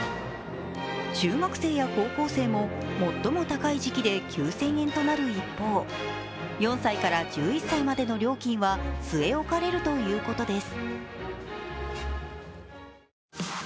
中学生や高校生も最も高い時期で９０００円となる一方、４歳から１１歳までの料金は据え置かれるということです。